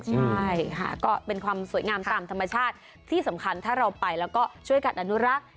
ใช่ค่ะก็เป็นความสวยงามตามธรรมชาติที่สำคัญถ้าเราไปแล้วก็ช่วยกันอนุรักษ์